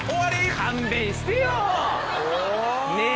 勘弁してよ！ねぇ。